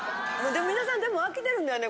皆さんでも飽きてるんだよね